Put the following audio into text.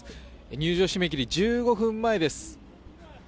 入場締め切り１５分前です。